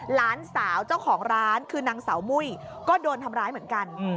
หลานสาวเจ้าของร้านคือนางสาวมุ้ยก็โดนทำร้ายเหมือนกัน